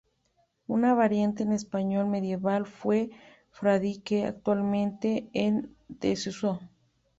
Una variante en español medieval fue "Fadrique", actualmente en desuso.